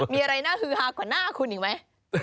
มีอะไรน่าฮือฮากว่าหน้าคุณอีกไหม